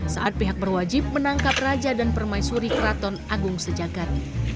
saat pihak berwajib menangkap raja dan permaisuri keraton agung sejagat